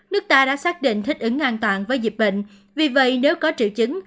nước ta đã xác định thích ứng an toàn với dịch bệnh vì vậy nếu có triệu chứng